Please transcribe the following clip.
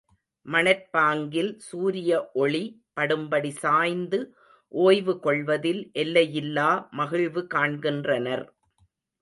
மணற்பாங்கில் சூரிய ஒளி படும்படி சாய்ந்து ஓய்வு கொள்வதில் எல்லையில்லா மகிழ்வு காண்கின்றனர்.